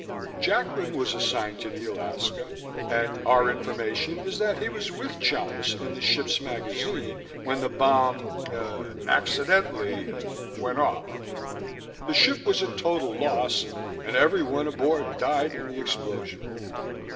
"Jacklin was assigned to the Alaska and our information is that he was with Chalmis in the ship's magazine when the bomb er accidentally er went off. The ship was a total loss and everyone aboard died in the explosion."